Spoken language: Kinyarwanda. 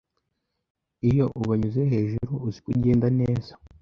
Iyo ubanyuze hejuru uzi ko ugenda neza."